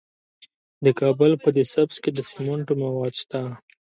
د کابل په ده سبز کې د سمنټو مواد شته.